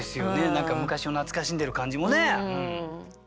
何か昔を懐かしんでる感じもね。